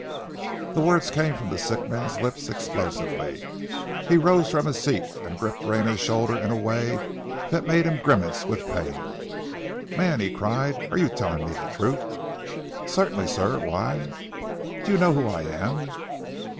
The words came from the sick man's lips explosively. He rose from his seat, and gripped Rayner's shoulder in a way that made him grimace with pain. "Man," he cried, "are you telling me the truth?" "Certainly, sir! Why " "Do you know who I am?"